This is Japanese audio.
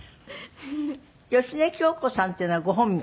芳根京子さんというのはご本名？